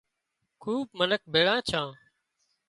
خوٻ منک ڀِيۯان ڇان